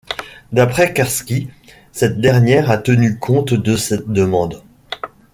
D’après Karski, cette dernière a tenu compte de cette demande.